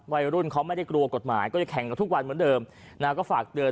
วัยรุ่นเขาไม่ได้กลัวกฎหมายก็โครงแข่งกันวันเหมือนเดิม